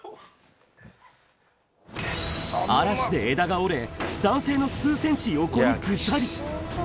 嵐で枝が折れ、男性の数センチ横にぐさり。